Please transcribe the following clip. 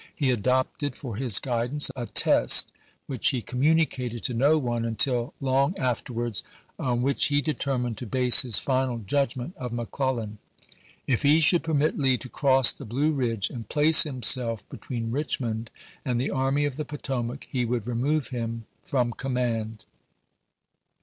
He adopted for his guidance a test which he com municated to no one until long afterwards, on which he determined to base his final judgment of Mc Clellan. If he should permit Lee to cross the Blue Ridge and place himself between Richmond and the Army of the Potomac he would remove him from command.